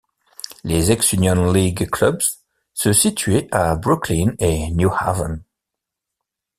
Les ex-Union League Clubs se situaient à Brooklyn et New Haven.